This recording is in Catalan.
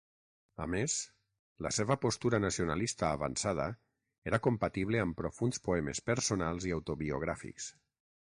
A més, la seva postura nacionalista avançada era compatible amb profunds poemes personals i autobiogràfics.